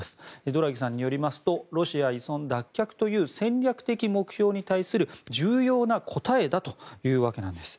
ドラギさんによりますとロシア依存脱却という戦略的目標に対する重要な答えだというわけなんです。